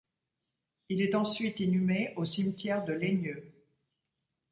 Il est ensuite inhumé au cimetière de Leigneux.